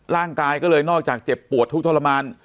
ร่างกายก็เลยนอกจากเจ็บปวดทุกข์ทรมาน